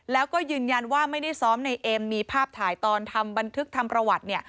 แล้วก็ยืนยันว่าไม่ได้ซ้อมในเอ็มมีภาพถ่ายตอนทำบันทึกทำประวัติเนี่ย